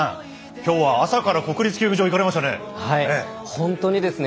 きょうは朝から国立競技場にいかれましたね。